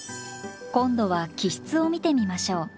今度は気質を見てみましょう。